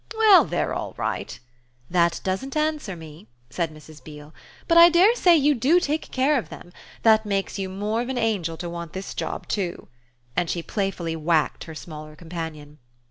"Well, they're all right." "That doesn't answer me," said Mrs. Beale; "but I dare say you do take care of them. That makes you more of an angel to want this job too." And she playfully whacked her smaller companion.